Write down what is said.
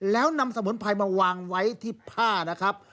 แล้วนำสมุนไพรมาวางไว้ที่ผ้านะครับ